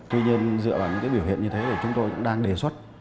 tuy nhiên dựa vào những biểu hiện như thế thì chúng tôi cũng đang đề xuất